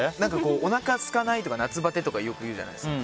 おなかすかないとか夏バテとかよく言うじゃないですか。